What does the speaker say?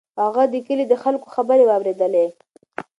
هغه د کلي د خلکو خبرې واورېدلې.